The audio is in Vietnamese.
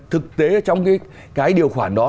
thực tế trong cái điều khoản đó